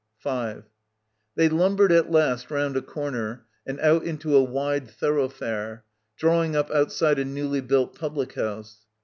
5 They lumbered at last round a corner and out into a wide thoroughfare, drawing up outside a newly built publieJiouse.